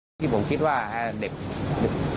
ก็ได้พลังเท่าไหร่ครับ